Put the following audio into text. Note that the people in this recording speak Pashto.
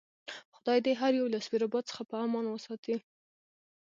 خدای دې هر یو له سپیره باد څخه په امان وساتي.